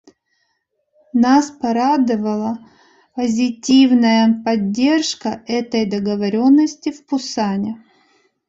Нас порадовала позитивная поддержка этой договоренности в Пусане.